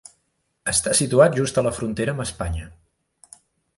Està situat just a la frontera amb Espanya.